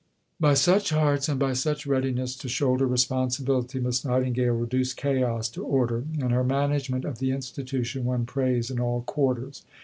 By such arts, and by such readiness to shoulder responsibility, Miss Nightingale reduced chaos to order, and her management of the Institution won praise in all quarters.